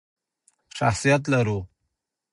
شخصیت لرو.